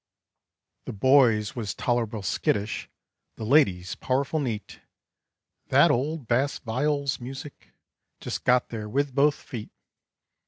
The boys was tolerable skittish, the ladies powerful neat, That old bass viol's music just got there with both feet!